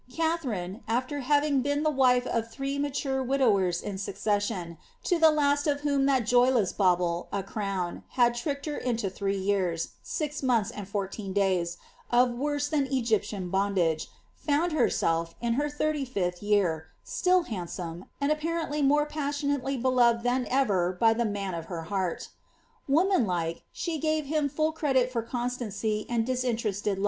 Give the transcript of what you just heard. Katha I after having been the wife of three mature widowers in successioii, be last of whom that joyless bauble, a crown, had tricked her into e years, six months, and fourteen days, of worse than Egyptian dage, found herself, in her thirty iifth year, still handsome, and ap *ntTy more passionately beloved than ever by the man of her heart (nanlike, she gave him full credit for constancy and disinterested